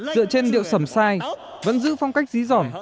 dựa trên điệu sẩm sai vẫn giữ phong cách dí dỏn